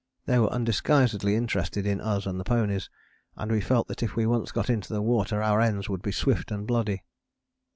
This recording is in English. They were undisguisedly interested in us and the ponies, and we felt that if we once got into the water our ends would be swift and bloody.